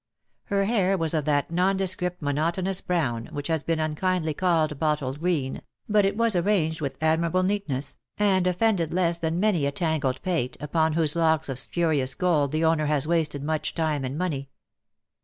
Her hair was of that nondescript monotonous browu which has been unkindly called bottle green, but it was arranged with admirable neatness, and offended THE LOVELACE OF HIS DAY. 51 less than many a tangled pate, upon whose locks of spurious gold the owner has wasted much time and money.